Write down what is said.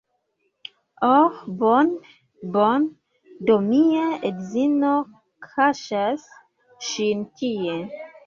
Oh bone, bone, do mia edzino kaŝas ŝin tie